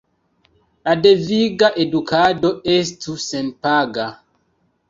La deviga edukado estu senpaga.